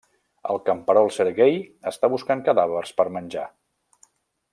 El camperol Serguei està buscant cadàvers per menjar.